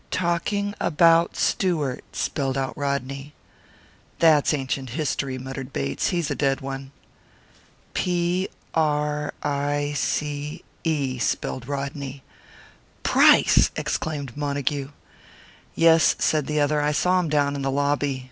"Talking about Stewart," spelled out Rodney. "That's ancient history," muttered Bates. "He's a dead one." "P r i c e," spelled Rodney. "Price!" exclaimed Montague. "Yes," said the other. "I saw him down in the lobby.